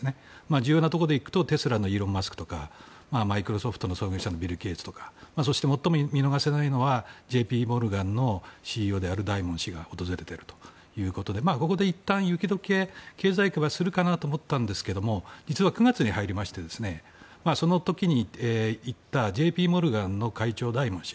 重要なところで行くとテスラのイーロン・マスクとかマイクロソフトの創業者のビル・ゲイツとか最も見逃せないのはＪＰモルガンのＣＥＯであるダイモン氏が訪れてるということでいったん経済界は雪解けするかなと思ったんですが実は９月に入りましてその時に行ったＪＰモルガンの会長ダイモン氏